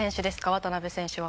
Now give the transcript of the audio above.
渡邊選手は。